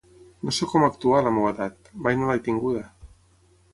No sé com actuar a la meua edat: mai no l'he tinguda.